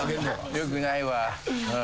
よくないわ。